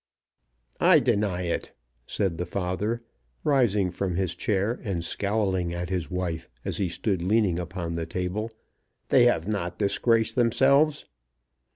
"I deny it," said the father, rising from his chair, and scowling at his wife as he stood leaning upon the table. "They have not disgraced themselves."